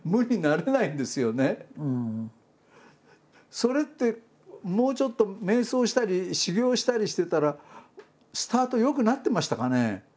それってもうちょっと瞑想したり修行したりしてたらスタート良くなってましたかね？